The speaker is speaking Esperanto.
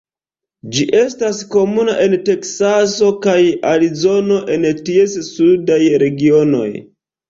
Ĝi estas komuna en Teksaso kaj Arizono en ties sudaj regionoj.